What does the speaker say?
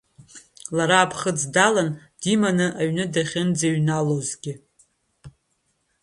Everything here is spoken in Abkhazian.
Лара аԥхыӡ далан, диманы аҩны дахьынӡаҩналозгьы.